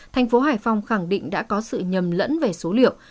thành phố hải phòng khẳng định đã có sự nhầm lẫn về số liệu